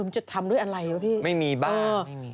เออมันจะทำด้วยอะไรวะพี่ไม่มีบ้างไม่มี